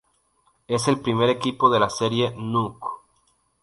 Es el primer equipo de la Serie Nook.